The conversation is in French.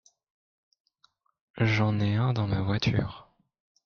J’en ai un dans ma voiture.